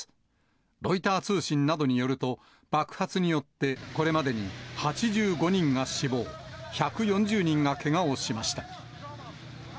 ロイター通信などによると、爆発によってこれまでに８５人が死亡、１４０人がけがをしました。